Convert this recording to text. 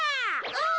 お！